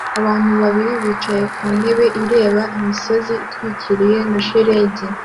Abantu babiri bicaye ku ntebe ireba imisozi itwikiriwe na shelegi